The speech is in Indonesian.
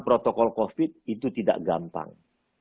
protokol covid itu tidak gampang